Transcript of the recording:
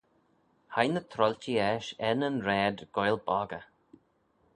Hie ny troailtee eisht er nyn raad goaill boggey.